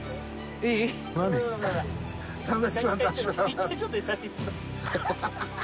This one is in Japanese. １回ちょっと写真。